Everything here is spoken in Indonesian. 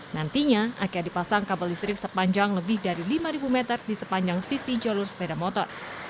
nantinya akan dipasang kabel listrik sepanjang lebih dari lima meter di sepanjang sisi jalur sepeda motor